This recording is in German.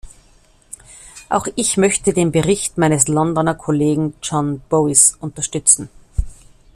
Auch ich möchte den Bericht meines Londoner Kollegen John Bowis unterstützen.